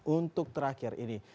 untuk terakhir ini